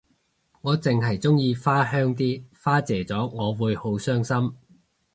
我淨係鍾意花香啲花謝咗我會好傷心